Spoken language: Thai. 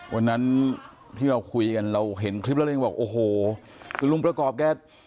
วันนั้นที่เราคุยกันเราเห็นคลิปแล้วเรายังบอกโอ้โหคือลุงประกอบแก